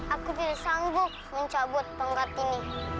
aku tidak sanggup mencabut tongkat ini